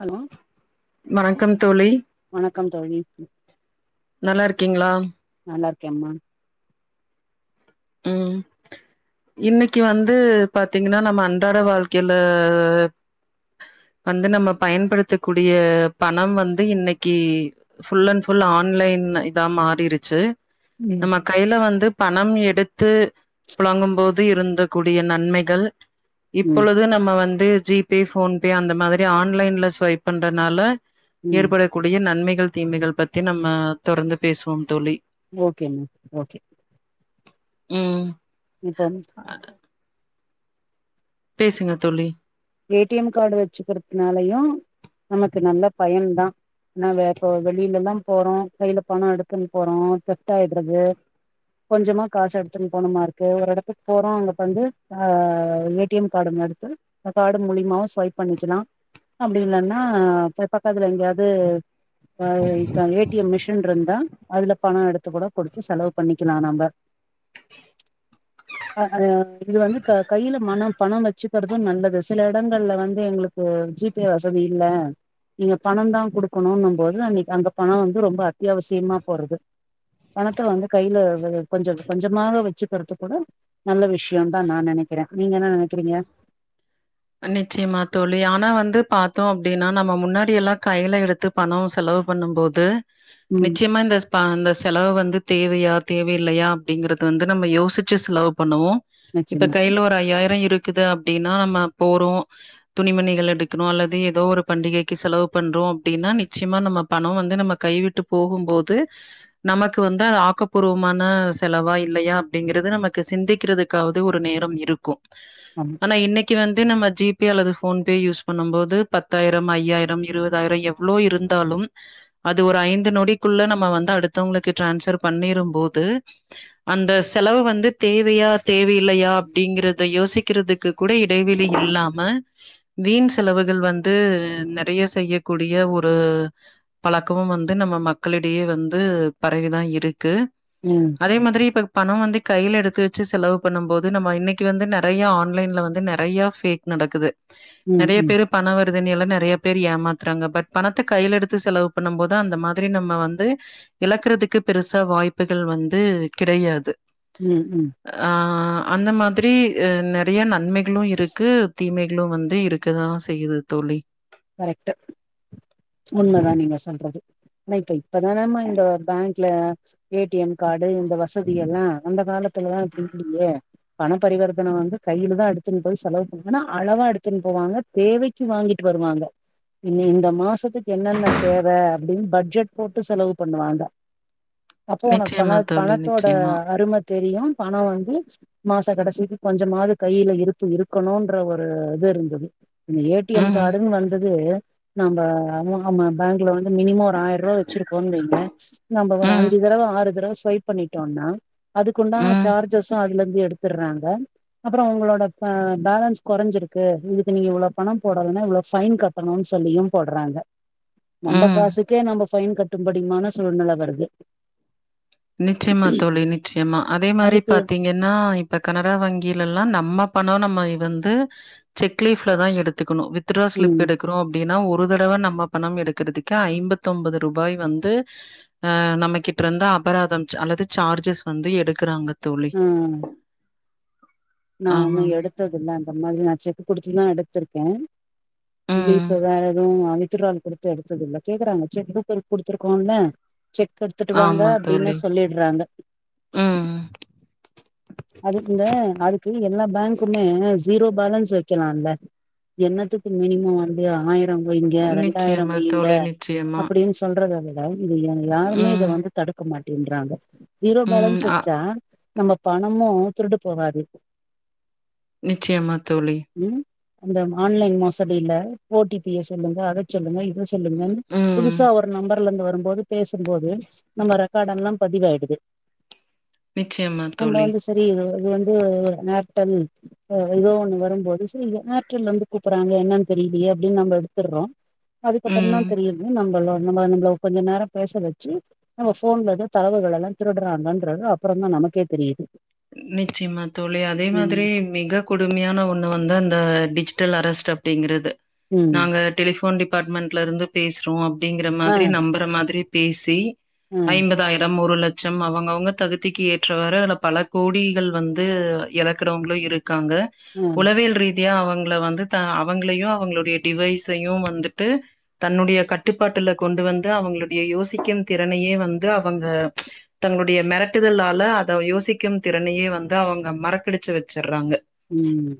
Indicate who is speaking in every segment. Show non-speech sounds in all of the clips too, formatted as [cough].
Speaker 1: Hello
Speaker 2: வணக்கம் தோழி
Speaker 1: வணக்கம் தோழி
Speaker 2: நல்லா இருக்கீங்களா
Speaker 1: நல்லா இருக்கேமா
Speaker 2: ம் இன்னைக்கு வந்து பாத்தீங்கன்னா நம்ம அன்றாட வாழ்க்கைல வந்து நம்ம பயன்படுத்தக்கூடிய பணம் வந்து இன்னைக்கி ஃபுல் அண்ட் ஃபுல் ஆன்லைன் இதா மாறிருச்சு
Speaker 1: ம்
Speaker 2: நம்ம கையில வந்து பணம் எடுத் து புழங்கும் போது இருந்த கூடிய நன்மைகள்
Speaker 1: ம்
Speaker 2: இப்பொழுது நம்ம வந்து ஜி பே ஃபோன் பே அந்த மாதிரி ஆன்லைன்ல ஸ்வைப் பண்றதுனால
Speaker 1: ம்
Speaker 2: ஏற்படக்கூடிய நன்மைகள் தீமைகள் பத்தி நம்ம தொடர்ந்து பேசுவோம் தோழி
Speaker 1: ஓகே மா ஓகே
Speaker 2: ம்
Speaker 1: இப்ப வ
Speaker 2: பேசுங்க தோழி
Speaker 1: ஏ டி எம் கார்டு வச்சுக்கிறதுனாலயு நமக்கு நல்ல பயன் தா நாம இப்போ வெளியில எல்லா போறோ கையில பணோ இருக்குன்னு போறோ தெஃப்ட் ஆயிட்றது கொஞ்சமா காசு எடுத்துன்னு போணுமா இருக்கு ஒரு எடத்துக்கு போறோ அங்க வந்து ஆ ஏ டி எம் கடன் எடுத்து த காடு மூலியமாவு ஸ்வைப் பண்ணிக்கலா அப்டி இல்லன்னா இப்ப பக்கத்துல எங்கேயாது பா க ஏ டி எம் மிஷின் இருந்தா அதுல பண எடுத்து கூட குடுத்து செலவு பண்ணிக்கலா நம்ப ஆ இது வந்து க கையில மனம் பணம் வெச்சுக்கறது நல்லது சில இடங்கள்ல வந்து எங்களுக்கு ஜி பே வசதி இல்ல நீங்க பணந்தா குடுக்கணுன்னு போது அன்னிக்கி அங்க பணம் வந்து ரொம்ப அத்தியாவசியமா போறது பணத்த வந்து கையில வ கொஞ்ச கொஞ்சமாக வெச்சுக்கறது கூட நல்ல விஷயந்தா நா நினைக்கிற நீங்க என்ன நெனைக்கிறீங்க
Speaker 2: நிச்சயமா தோழி ஆனா வந்து பாத்தோ அப்டின்னா நம்ம முன்னாடி எல்லா கைல எடுத்து பணம் செலவு பண்ணும் போது
Speaker 1: ம்
Speaker 2: நிச்சயமா இந்த பா அந்த செலவு வந்து தேவையா தேவையில்லையா அப்டிங்கறது வந்து நம்ம யோசிச்சு செலவு பண்ணுவோ இப்ப
Speaker 1: நிச்சயமா
Speaker 2: கையில ஒரு ஐயாயிரோ இருக்குது அப்டின்னா நம்ம போறோ துணி மணிகள் எடுக்கணு அல்லது ஏதோ ஒரு பண்டிகைக்கு செலவு பண்றோ அப்டின்னா நிச்சயமா நம்ம பணம் வந்து நம்ம கைவிட்டு போகும்போது நமக்கு வந்து அது ஆக்கப்பூர்வமான செலவா இல்லையா அப்டிங்கறது நமக்கு சிந்திக்கிறதுக் காவது ஒரு நேரம் இருக்கு
Speaker 1: நம்
Speaker 2: ந இன்னைக்கு வந்து நம்ம ஜி பே அல்லது ஃபோன் பே யூஸ் பண்ணும் போது பத்தாயிரம் ஐயாயிரம் இருவது தாயிரோ எவ்ளோ இருந்தாலும் அது ஒரு ஐந்து நொடிக்குள்ள நம்ம வந்து அடுத்தவங்களுக்கு டிரான்ஸ்ஃபர் பண்ணிரும் போது அந்த செலவு வந்து தேவையா தேவையில்லையா அப்டிங்கறத யோசிக்கிறதுக்கு கூட இடைவெ ளி இல்லாம வீண் செலவுகள் வந்து நெறைய செய்யக்கூடிய ஒரு பழக்கமும் வந்து நம்ம மக்களிடையே வந்து பரவிதா இருக்கு
Speaker 1: ம்
Speaker 2: அதே மாதிரி இப்ப பணம் வந்து கையில எடுத்து வச்சு செலவு பண்ணும் போது நம்ம இன்னக்கி வந்து நெறையா ஆன்லைன்ல வந்து நெறையா ஃபேக் நடக்குது
Speaker 1: ம்
Speaker 2: நெறைய
Speaker 1: ம்
Speaker 2: பேரு பணவறதுன் எல்லா நிறைய பேர் ஏமாத்துறாங்க பட் பணத்த கையில எடுத்து செலவு பண்ணும் போதா அந்த மாதிரி நம்ம வந்து இழக்குறதுக்கு பெருசா வாய்ப்புகள் வந்து கிடையாது
Speaker 1: ம் ம்
Speaker 2: ஆ அந்த மாத்ரி நெறைய நன்மைகளு க்கு தீமைகளு வந்து இருக்கதா செய்யுது தோழி
Speaker 1: கரெக்ட்டு உண்மதா நீங்க சொல்றது இப்ப இப்பதானம்மா இந்த பேங்க்ல ஏ டி எம் காடு இந்த வசதி எல்லா அந்த கால த்ல இப்டி இல்லையே பண பரிவர்த்தன வந்து கையில தா எடுத்துன் போய் செலவு பண்ணாங்னா அளவா எடுத்துன் போவாங்க தேவைக்கு வாங்கிட்டு வருவாங்க இ இந்த மாசத்துக்கு என்னென்ன தேவ அப்டின் பட்ஜெட் போட்டு செலவு பண்ணுவாங்க அப்போ உனக்கு பண
Speaker 2: நிச்சயமா தோழி,
Speaker 1: பணத்தோட
Speaker 2: நிச்சயமா.
Speaker 1: அரும தெரியு பண வந்து மாச கடசிக்கு கொஞ்சமாது கையில இருப்பு இருக்கணுன்ற ஒரு இது ருந்தது இந்த ஏ டி எம்
Speaker 2: ம்,
Speaker 1: காடுன்னு வந்தது நம்ம நம்மா பேங்க்ல வந்து மினிமொ ஒரு ஆயிர்ருவ வச்சிருக்கோனு வைங்ளே நம்ம ஒரு
Speaker 2: ம்,
Speaker 1: அஞ்சு தடவ ஆறு தடவ ஸ்வைப் பண்ணிட்டோனா அதுக்குண்டான
Speaker 2: ம்,
Speaker 1: சார்ஜஸு அதுல ர்ந்து எடுத்துற்றாங்க அப்புறோ உங்களோட பேலன்ஸ் கொறஞ்சிருக்கு இதுக்கு நீங்க இவ்ளோ பண போடலன லெஸ் பைன் கட்டணுன் சொல்லியு போட்றாங்க நம்ம
Speaker 2: ம்.
Speaker 1: காசுக்கே நம்ம பைன் கட் கட்டும்படிமான சூழ்நெல வருது
Speaker 2: நிச்சயமா தோழி நிச்சயமா அதே மாரி
Speaker 1: அதுக்கு
Speaker 2: பாத்தீங்கன்னா இப்ப கனரா வங்கிலல்லா நம்ம பணம் நம்ம வந்து செக்லீஃப்ல தா எடுத்துக்கணு வித் வித்ட்ற ஸ்லிப்
Speaker 1: ம்
Speaker 2: எடுத்துட் க்குறோ அப்டின்னா ஒரு தடவ நம்ம பணம் எடுக்கறதுக்கு ஐம்பத்தொம்பது ரூபாய் வந்து ஆ நம்கிட்ருந்தா அபராதம் அல்லது சார்ஜஸ் வந்து எடுக்குறாங்க தோழி
Speaker 1: ஆ நா
Speaker 2: ஆ.
Speaker 1: இன்னு எடுத்ததில்ல அந்த மாரி நா செக் குடுத்துதா எடுத்திருக்கே
Speaker 2: ம்.
Speaker 1: லீஃபு வேற எதுவு வித்துடிராவல் கொடுத்து எடுத்ததில்ல கேக்குறாங்க செக்புக் கொடுத் கொடுத்துருக்கோல்ல செக்கெடுத்துட்டு வாங்க
Speaker 2: ஆமா
Speaker 1: அப்டின்னெ
Speaker 2: தோழி.
Speaker 1: சொல்லிட்றாங்க
Speaker 2: ம்.
Speaker 1: அது அதுக்கு எல்லா பேங்க்குமே ஜீரோ பேலன்ஸ் வக்கலால்ல என்னத்துக்கு மினிமம் வந்து ஆயிரம் வைங்க ரெண்டாயிரம்
Speaker 2: நிச்சயமா
Speaker 1: வைங்க
Speaker 2: தோழி, நிச்சயமா.
Speaker 1: அப்டின்னு சொல்ல சொல்றத விட இங் யாருமே இத
Speaker 2: ம்.
Speaker 1: வந்து தடுக்க மாட்டேன்றாங்க ஜீரோ
Speaker 2: ம்.
Speaker 1: பேலன்ஸ்
Speaker 2: அ
Speaker 1: வச்சா நம்ம பணமு திருடு போவாது
Speaker 2: நிச்சயமா தோழி
Speaker 1: ம் அந்த ஆன்லைன் மோசடியில ஓ டி பிய சொல்லுங்க அத சொல்லுங்க இதசொல்லுங்க
Speaker 2: ம்.
Speaker 1: புதுசா ஒரு நம்பர் கலந்து வரும் போது பேசும்போது நம்ம ரெக்கார்டெல்லா பதிவாயிடுது
Speaker 2: நிச்சயமா
Speaker 1: நம்ம
Speaker 2: தோழி.
Speaker 1: வந்து சரி இது வந்து ஏர்டெல் அ ஏதோ ஒண்ணு வரும்போது சரி ஏர்டெல் ல ருந்து கூப்புறாங்க என்னன் தெரியலயே அப்டின் நம்ம எடுத்துற்றோ அதுக்கப்பரந்தா
Speaker 2: ம்.
Speaker 1: தெரியுது நம்மள நம்ம நம்மள கொஞ்ச நேரோ பேச வச்சு நம்ம போன்ல தா தலைவுகள் எல்லா திருடுறாங்கன்றது அப்புறம நமக்கே தெரியுது
Speaker 2: நிச்சயமா தோழி அதே
Speaker 1: ம்
Speaker 2: மாதிரி மிக கொடுமையான ஒண்ணு வந்து அந்த டிஜிட்டல் அரசஸ்ட் அப்டிங்கிறது
Speaker 1: ம்
Speaker 2: நாங்க டெலிபோன் டிப் டிபார்ட்மெண்ட்ல இருந்து பேசுறோ அப்டிங்கிற
Speaker 1: ஆ
Speaker 2: மாதிரி நம்பற மாதிரி பேசி
Speaker 1: ஆ
Speaker 2: ஐம்பதாயிரம் ஒரு லட்சம் அவங்கவுங்க தகுதிக்கு ஏற்றவாறு அதுல பல கோடிகள் வந்து எழக்குறவங்களு இருக்காங்க
Speaker 1: ஆ
Speaker 2: உளவியல் ரீ தியா அவங்கள வந்து த அவங்களையு அவங்களுடைய டிவைஸையு வந்துட்டு தன்னுடைய கட்டுப்பாட்டுல கொண்டு வந்து அவுங்களுடைய யோசிக்கு திறனயே வந்து அவுங்க தன்னுடைய மேரட்டுதலால அத யோசிக்கு தெறனையே வந்து அவுங்க மறக்கிடிச்சு வச்சுடுறாங்க
Speaker 1: ம்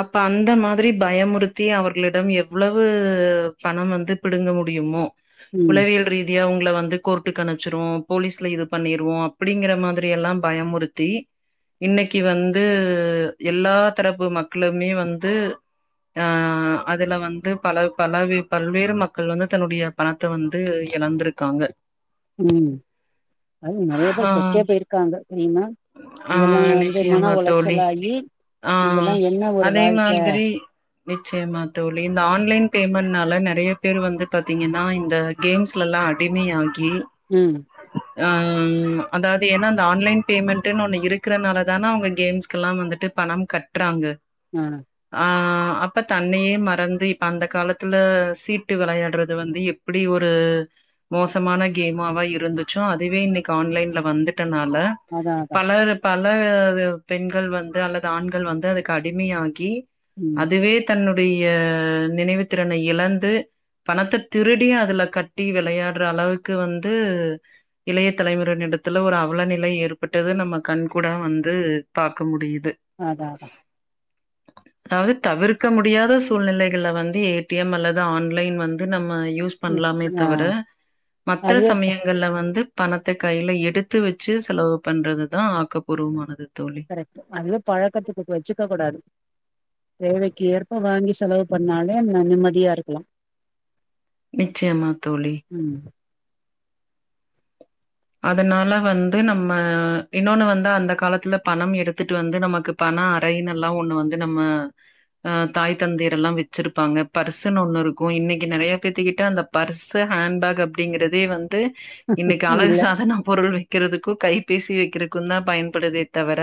Speaker 2: அப்ப அந்த மாதிரி பயமுறுத்தி அவர்களிடம் எவ்ளவு பணம் வந்து பிடுங்க முடியுமோ
Speaker 1: ம்
Speaker 2: உளவியல் ரீதி தியா உங்களை வந்து கோர்டுக்கு அனுப்சிருவோ போலீஸ்ல இது பண்ணிருவோ அப்டிங்கிற மாதிரி எல்லா பயமுறுத் இன்னக்கி வந்து எல்லா தரப்பு மக்களுமே வந்து ஆ அதுல வந்து பல பலவே பல்வேறு மக்கள் வந்து தன்னுடைய பணத்த வந்து எழந்திருக்காங்க
Speaker 1: ம் அதுல நெறைய
Speaker 2: ஆ
Speaker 1: பேர் செத்தே போயிருக்காங்க தெரியுமா
Speaker 2: ஆ
Speaker 1: இதுதெல்லா வந்து மன
Speaker 2: நிச்சயமா தோழி
Speaker 1: உளைச்சலாகி
Speaker 2: ஆ
Speaker 1: இதெல்லா என்ன ஒரு
Speaker 2: அதே
Speaker 1: வாழ்க்க
Speaker 2: மாதிரி நிச்சயமா தோழி இந்த ஆன்லைன் பேமெண்ட்னால நெறைய பேரு வந்து பாத்தீங்கன்னா இந்த கேம்ஸ்ல எல்லா அடிமையாகி
Speaker 1: ம்
Speaker 2: ஆ அதாவது ஏனா இந்த ஆன்லைன் பேமெண்டுன்னு ஒன்னு இருக்கறனால தான அவங்க கேம்ஸ்க்கெல்லா வந்துட்டு பணோ கட்டுறாங்க
Speaker 1: ஆ
Speaker 2: ஆ அப்ப தன்னையே மறந்து இப்ப அந்த காலத்துல சீட்டு விளையாடுறது வந்து எப் இப்படி ஒரு மோசமான கேமாவா இருந்துச்சோ அதுவே இன்னக்கி ஆன்லைன்ல வந்துட்டனால
Speaker 1: அதா அதா
Speaker 2: பல பல பெண்கள் வந்து அல்லது ஆண்கள் வந்து அதுக்கு அடிமையாகி
Speaker 1: ம்
Speaker 2: அதுவே தன்னுடைய நினைவுத்திறனை இழந்து பணத்த திருடி அதுல கட்டி விளையாடுற அளவுக்கு வந்து இளைய தலைமுறைனு எடன்த்தில ஒரு அவலநிலை ஏற் பட் அது நம்ம கண் கூடா வந்து பாக்க முடியுது
Speaker 1: அதா அதா
Speaker 2: அதாவுது தவிர்க்க முடியாத சூழ்நிலைகள வந்து ஏ டி எம் அல்லது ஆன்லைன் வந்து நம்ம யூஸ் பண்லாமே
Speaker 1: ஆ
Speaker 2: தவிர மற்ற
Speaker 1: அதுவே
Speaker 2: சமயங் இதுல வந்து பணத்த கையில எடுத்து வச்சு செலவு பண்றது தா ஆக்கப்பூர்வமானது தோழி
Speaker 1: ரைட் அதுவே பழக்கத்துக்கு வச்சுக்க கூடாது தேவைக் ஏற்ப வாங்கி செலவு பண்ணாலே நிம்மதியா இருக்கலா
Speaker 2: நிச்சயமா தோழி
Speaker 1: ம்
Speaker 2: அதனால வந்து நம்ம இன்னொன்னு வந்து அந்த காலத்துல பணம் எடுத்துட்டு வந்து நமக்கு பணோ அறைன்னு எல்லா ஒன்னு வந்து நம்ம ஆ தாய் தந்தையர் எல்லா வச்சிருப்பாங்க பர்சுன்னு ஒன்னு இருக்கு இன்னக்கி நெறைய பேத்துக்கிட்ட அந்த பர்ஸு ஹேண்ட்பேக் அப்டிங்கிறது வந்து இன்னைக்கு அழகா
Speaker 1: இல்ல
Speaker 2: ன பொருள் வைக்கிறதுக்கு கைபேசி வைக்கிறக்கு தா பயன்படுதே தவிர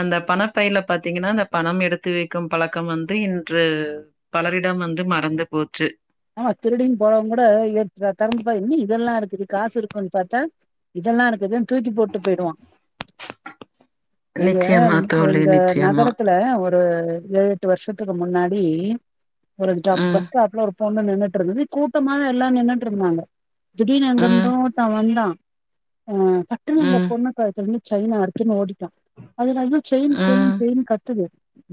Speaker 2: அந்த பணப்பைல பாத்தீங்கன்னா அந்த பணம் எடுத்து வைக்கும் பழக்கம் வந்து இன்று பலரிடம் வந்து மறந்து போச்சு
Speaker 1: ஆமா திருடினு போறவங்க கூட தெறந்துப்பா இன்னா இதெல்லா இருக்குது காசு இருக்கோனு பாத்தா இதெல்லா இருக்குதுன் தூக்கி போட்டு போயிடுவா எங்க
Speaker 2: நிச்சயமா தோழி
Speaker 1: எங்க
Speaker 2: நிச்சயமா
Speaker 1: நகரத்துல ஏழு எட்டு வர்ஷத்துக்கு முன்னாடி ஜாப்
Speaker 2: ம்
Speaker 1: பஸ் பஸ்டாப்ல ஒரு பொண்ணு நின்னுட்டு இருந்தது கூட்டமா எல்லா நின்னுட்ருந்தாங்க திடீர்னு எங்கருந்தோ
Speaker 2: ம்
Speaker 1: ஒருத வந்தா அ பட்டுனு அந்த
Speaker 2: ம்
Speaker 1: பொண்ணு கழுத்துல இருந்து சைன அருத்துட்டு ஓடிட்டா அதுல வந்து செய்ன் செய்ன்
Speaker 2: ம்
Speaker 1: செய்ன் கத்துது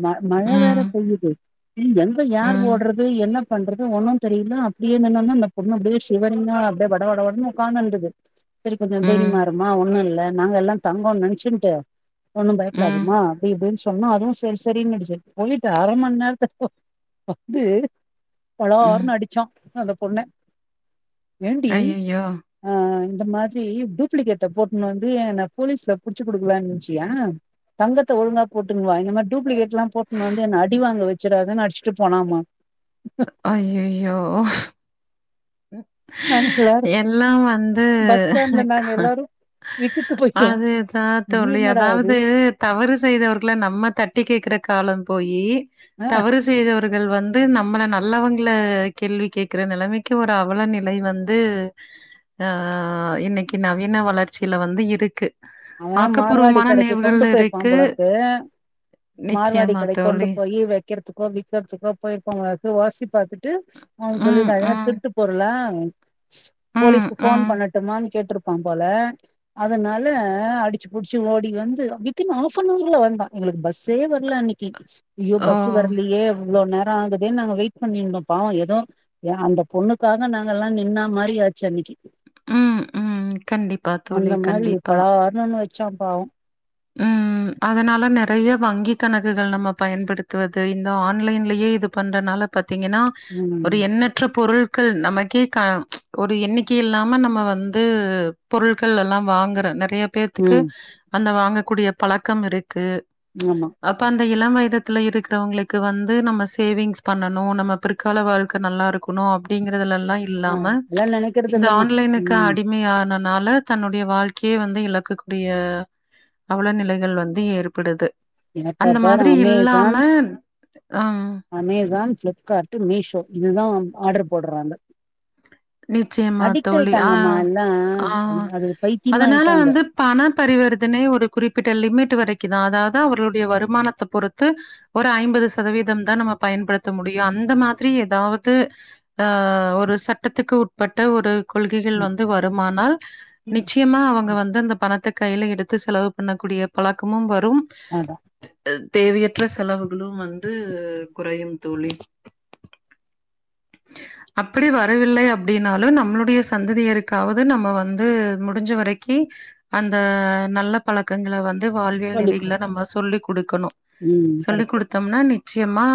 Speaker 1: ம மழ வேற
Speaker 2: ம்
Speaker 1: பெய்யுது இ எங்க யார்
Speaker 2: ம்
Speaker 1: ஓட்றது என்ன பண்ற து ஒன்னும் தெரில அப்டியே என்னன்னா அந்த பொண்ணு அப்டியே சுவருல அப்டியே வட வடன் உக்காந்துருந்தது செரி கொஞ்சொம்
Speaker 2: ம்
Speaker 1: தைரிமா இருமா ஒண்ணு இல்ல நாங்க எல்லாம் தங்கோனு நெனைச்சுன்ட்டு ஒண்ணும்
Speaker 2: ம்
Speaker 1: பயப்டாதமா அப்டி இப்டின் சொன்னோ அதுவும் சரி சரின்னுடுச்ச பொயிட்டு அரம நேரத்துக்கு வந்து
Speaker 2: ம்
Speaker 1: பலாறுனு அடுச்சான் அந்த பொண்ண ஏண்டி
Speaker 2: அய்யய்யோ
Speaker 1: அ இந்த மாதிரி டூப்ளிகெட்ட போட்னு வந்து என போலீஸ்ல புடுச்சு குடுக்கலானு நெனச்சியா தங்கத்த‌ ஒழுங்கா போட்டுணுவா இந்த டூப்ளிகெட்லாம் போட்ணு வந்து என்ன அடி வாங்க வச்சுடாதனு அட்ச்சுட்டு போனாமா
Speaker 2: ஐயயோ
Speaker 1: நாங்க எல்லாரும்
Speaker 2: எல்லா வந்து
Speaker 1: பஸ் ஸ்டாண்ட்ல
Speaker 2: க
Speaker 1: நாங்க எல்லாரும் விக்கித்து போயிட்டோம்
Speaker 2: அதுதா
Speaker 1: இது
Speaker 2: தோழி
Speaker 1: என்னடா இது
Speaker 2: அதாவது தவறு செய்தவர்கள நம்ம தட்டி கேக்குற காலம் போயி
Speaker 1: ஆ
Speaker 2: தவறு செய்தவர்கள் வந்து நம்மள நல்லவங்கள கேள்வி கேக்குற நெலமைக் க்கு ஒரு அவல நிலை வந்து ஆ இன்னைக்கி நவீன வளர்ச்சில வந்து இருக்கு
Speaker 1: அவேன் மார்வாடி
Speaker 2: ஆக்கப்பூர்வமான
Speaker 1: கடைக்கு
Speaker 2: நினைவுகள்
Speaker 1: கொண்டு பொயிர்ப்பான்
Speaker 2: இருக்கு.
Speaker 1: பொலர்க்கு மார்வாடி
Speaker 2: நிச்சயமா
Speaker 1: கடைக் கொண்டு
Speaker 2: தோழி.
Speaker 1: போய் வைக்கற்துக்கோ விக்கற்துக்கோ பொயிருப்பான் போலர்க்கு ஒர்சி பாத்துட்டு அவங்க
Speaker 2: ம்,
Speaker 1: சொல்லிருக்காங்க இது என
Speaker 2: ம்,
Speaker 1: திருட்டு பொருளா
Speaker 2: ம்,
Speaker 1: போலீஸ்க்கு ஃபோன்
Speaker 2: ம்.
Speaker 1: பண்ணட்டுமான் கேட்ருப்பான் போல அதனால அ அடுச்சு புடுச்சு ஓடி வந்து வித்தின் ஹாஃப் அன் ஹார்ல வந்தான் எங்களுக்கு பஸ்ஸே வரல அன்னைக்கி ஐயோ
Speaker 2: ஓ!
Speaker 1: பஸ்ஸு வரலயே இவ்ளோ நேரோம் ஆகுதே நாங்க வெயிட் பண்ணிருந்தோம் பாவோம் எதோ அ அந்த பொண்ணுக்காக நாங்கலாம் நின்ன மாரி ஆச்சு அன்னைக்கி
Speaker 2: ம், ம். கண்டிப்பா
Speaker 1: அந்த
Speaker 2: தோழி,
Speaker 1: மாரி
Speaker 2: கண்டிப்பா.
Speaker 1: பலார்னு ஒண்ணு வச்சான் பாவோம்
Speaker 2: ம் அதனால நறைய வங்கிக் கணக்குகள் நம்ம பயன்படுத்துவது இந்த ஆன்லைன்லயே இது பண்றனால பாத்தீங்கனா
Speaker 1: ம்
Speaker 2: ஒரு எண்ணற்ற பொருள் க்கு நமக்கே க ஒரு எண்ணிக்கை இல்லாம நம்ம வந்து பொருட்கள் எல்லாம் வாங்குற நறைய பேத்துக்கு
Speaker 1: ம்
Speaker 2: அந்த வாங்கக்கூடிய பழக்கம் இருக்கு
Speaker 1: ஆமா
Speaker 2: அப்ப அந்த இளம் வயதத்துல இருக்குறவங்களுக்கு வந்து நம்ம சேவிங்ஸ் பண்ணணும் நம்ம [unintelligible] கால வாழ்க்க நல்லா இருக்கணும் அப்டிங்கிறதுலலாம் இல்லாம
Speaker 1: அதெல்லா நெனைக்கிறது
Speaker 2: இந்த
Speaker 1: இல்லம்மா
Speaker 2: ஆன்லைனுக்கு
Speaker 1: ம்
Speaker 2: அடிமையா நல் னால தன்னுடைய வாழ்க்கே வந்து இழக்கக் குடிய அவள நிலைகள் வந்து ஏற்படுது
Speaker 1: எப்ப
Speaker 2: அந்த
Speaker 1: பாரு
Speaker 2: மாதிரி இல்லாம
Speaker 1: அமேசான்
Speaker 2: அம்
Speaker 1: அமேசான் ஃப்ளிப்கார்ட்டு மீஷோ இதுதான் ஆட்ரு போட்றாங்க
Speaker 2: நிச்சைமா தோழி ஆ
Speaker 1: ஆயிட்டாங்கம்மா எல்லா
Speaker 2: ஆ
Speaker 1: அது அது பைத்தியமா
Speaker 2: அதனால
Speaker 1: ஆயிட்டாங்க
Speaker 2: வந்து பண பரிவர்த்தனை ஒரு குறிப்பிட்ட லிமிட் வரைக்குதான் அதாது அவர்களுடைய வருமானத்த பொறுத்து ஒரு ஐம்பது சதவீத தா நம்ம பயன்படுத்த முடியு அந்த மாதிரி எதாவது ஆ ஒரு சட்டத்துக்கு உட்பட்ட ஒரு கொள்கைகள்
Speaker 1: ம்
Speaker 2: வந்து வருமானால் நிச்சமா அவங்க
Speaker 1: ம்
Speaker 2: வந்து அந்த பணத்த கைல எடுத்து செலவு பண்ணக்கூடிய பழக்கமு வரு
Speaker 1: அதா
Speaker 2: தேவையற்ற செலவுகளு வந்து கொறயு தோழி அப்டி வ வரவில்லை அப்டினாலு நம்மளுடைய சந்ததியருக்காவது நம்ம வந்து முடுஞ்ச வரைக்கி அந்த நல்ல பழக்கங்கள வந்து து வாழ்வியல்
Speaker 1: சொல்லிக்கோ
Speaker 2: நெறிகள நம்ம சொல்லி் குடுக்கணு
Speaker 1: ம்
Speaker 2: சொல்லிக்
Speaker 1: கரெக்ட்
Speaker 2: குடுத்தோம்னா நி நிச்சயமா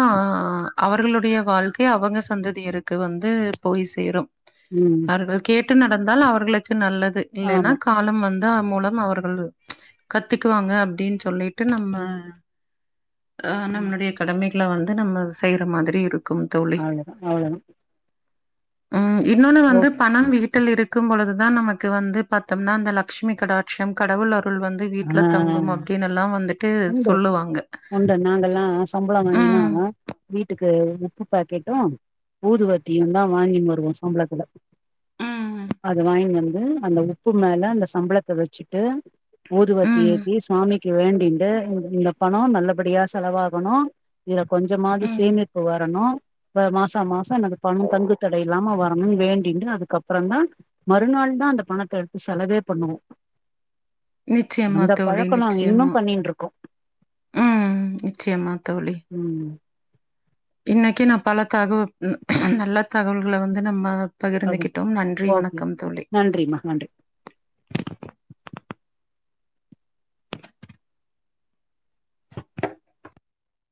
Speaker 2: அவர்களுடைய வாழ்க்கை அவங்க சந்ததியருக்கு வந்து போய் சேரும்
Speaker 1: ம்
Speaker 2: அவர்கள் கேட்டு நடந்தால் அவர்களுக்கு நல்லது இல்லைன்னா
Speaker 1: ஆமா
Speaker 2: காலம் வந்து தா மூலம் அவர்கள் கத்துக்குவாங்க அப்டின் சொல்லிட்டு நம்ம
Speaker 1: ம்
Speaker 2: ஆ
Speaker 1: ம்
Speaker 2: நம்மளுடைய கடமைகள வந்து நம்ம செய்யுற மாதிரி இருக்கு தோழி
Speaker 1: அவ்ளோதா அவ்ளோதா
Speaker 2: ம் இன்னொன்னு
Speaker 1: ஓ
Speaker 2: வந்து பணம் வீட் டில் இருக்கும் பொழுதுதா நமக்கு வந்து பாத்தோம்னா அந்த லட்சுமி கடாட்சம் கடவுள் அருள் வந்து வீட்ல
Speaker 1: ஆ
Speaker 2: தங்கும் அப்டின்னெல்லாம் வந்துட்டு
Speaker 1: உண்டு
Speaker 2: சொல்லுவாங்க.
Speaker 1: உண்டு நாங்கெல்லா சம்பள வாங்கினா
Speaker 2: ம்.
Speaker 1: வீட்டுக்கு உப்பு பாக்கெட்டு ஊதுவத்தியு தா வாங்கினு வருவோ சம்பளத்துல
Speaker 2: ம்.
Speaker 1: அது வாங்கினு வந்து அந்த உப்பு மேல அந்த சம்பளத்த வச்சுட்டு ஊதுவத்தி
Speaker 2: ம்.
Speaker 1: ஏத்தி சுவாமிக்கு வேண்டிண்டு இந்த பணோ நல்லபடியா செலவாகணு இதல கொஞ்சமாவது
Speaker 2: ம்.
Speaker 1: சேமிப்பு வரணு ப மாசா மாசோ எனக்கு பணம் தங்கு தடை இல்லாம வரணுன் வேண்டின்ட்டு அதுக்கப்றதா மறுநாள்தா அந்த பணத்த எடுத்து செலவே பண்ணுவோ
Speaker 2: நிச்சயமா
Speaker 1: அந்த
Speaker 2: தோழி
Speaker 1: பழக்கோ நாங்க இன்னு
Speaker 2: நிச்சயமா
Speaker 1: பண்ணின்ட்ருக்கோ
Speaker 2: ம் நிச்சயமா தோழி
Speaker 1: ம்
Speaker 2: இன்னைக்கு நா பல தகவ நல்ல தகவல்கள வந்து நம்ம
Speaker 1: அது
Speaker 2: பகிர்ந்துகிட்டோம் நன்றி
Speaker 1: ஓகே
Speaker 2: வணக்கம் தோழி
Speaker 1: நன்றிமா நன்றி